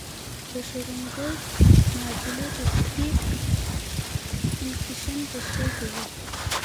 د شروډنګر معادله د څپې فنکشن تشریح کوي.